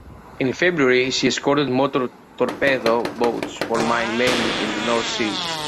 In February she escorted Motor Torpedo Boats for mine laying in the North Sea.